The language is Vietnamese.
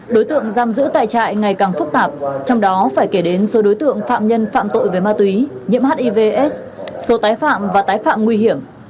đối tượng giam giữ tại trại ngày càng phức tạp trong đó phải kể đến số đối tượng phạm nhân phạm tội về ma túy nhiễm hiv aids số tái phạm và tái phạm nguy hiểm